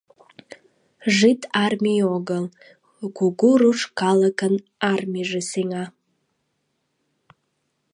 Жид армий огыл, кугу руш калыкын армийже сеҥа!